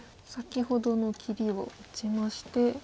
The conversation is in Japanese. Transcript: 先ほどの切りを打ちまして。